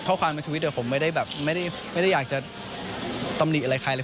เพราะว่าความมีชีวิตผมไม่ได้อยากจะตำลีอะไรใครเลย